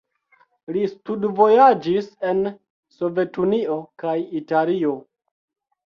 Li studvojaĝis en Sovetunio kaj Italio.